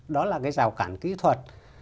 đó là cái rào cản kỹ thuật